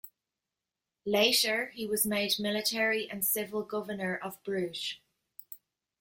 Later, he was made military and civil governor of Bruges.